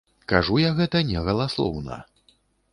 Кажу я гэта не галаслоўна.